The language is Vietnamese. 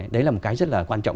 đấy là một cái rất là quan trọng